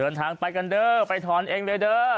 เดินทางไปกันเด้อไปถอนเองเลยเด้อ